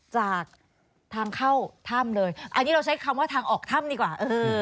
จากทางเข้าถ้ำเลยอันนี้เราใช้คำว่าทางออกถ้ำดีกว่า